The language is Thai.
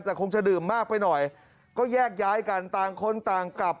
แต่คงจะดื่มมากไปหน่อยก็แยกย้ายกันต่างคนต่างกลับ